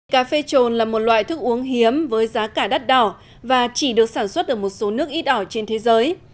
cà phê trồn là một loại thức uống hiếm với giá cả đắt đỏ và chỉ được sản xuất ở một số nước ít ỏi trên thế giới